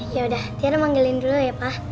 yaudah tiara manggilin dulu ya pak